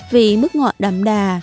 vị mức ngọt đậm đà